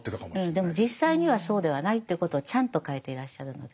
でも実際にはそうではないということをちゃんと書いていらっしゃるので。